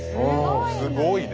すごいな。